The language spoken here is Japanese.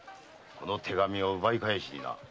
この手紙を奪い返しにな。